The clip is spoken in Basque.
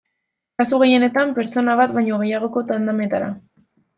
Kasu gehienetan, pertsona bat baino gehiagoko tandemetara.